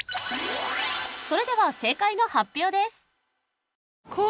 それでは正解の発表です